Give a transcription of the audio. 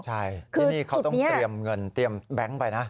ใช่ที่นี่เขาต้องเตรียมเงินเตรียมแบงค์ไปนะ